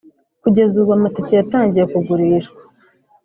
Kugeza ubu amatike yatangiye kugurishwa